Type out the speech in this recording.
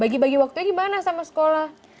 bagi bagi waktunya gimana sama sekolah